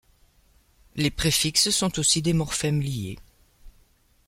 Les préfixes sont aussi des morphèmes liés.